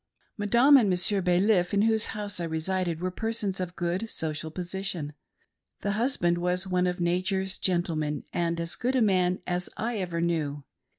Madame and Monsieur Balif, in whose house I resided, were persons of good social position. The husband was one of nature's gentlemen, and as good a man as I ever knew.